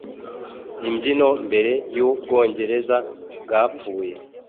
Imbyino mbere yu Bwongereza bwapfuye.